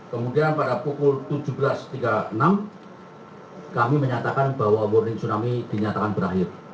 kemudian pada pukul tujuh belas tiga puluh enam kami menyatakan bahwa warning tsunami dinyatakan berakhir